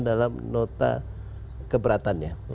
dalam nota keberatannya